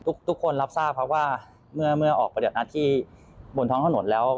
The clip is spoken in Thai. ทุกคนรับทราบครับว่าเมื่อออกปฏิบัติหน้าที่บนท้องถนนแล้ว